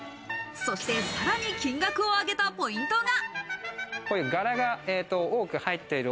そして、さらに金額を上げたポイントが。